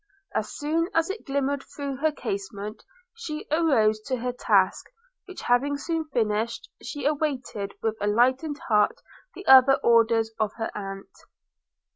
As soon as it glimmered through her casement, she arose to her task; which having soon finished, she awaited with a lightened heart the other orders of her aunt.